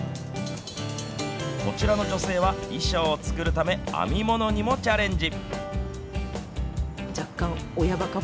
こちらの女性は衣装を作るため編み物にもチャレンジ。